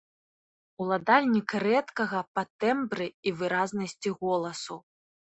Уладальнік рэдкага па тэмбры і выразнасці голасу.